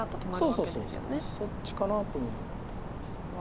そうそうそっちかなとも思ったんですが。